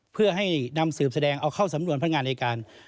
เพื่อให้นำสืบแสดงเอาเข้าสำนวนพนักงานในการ